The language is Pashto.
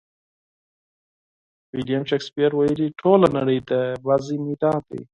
ویلیم شکسپیر ویلي: ټوله نړۍ د لوبې میدان دی.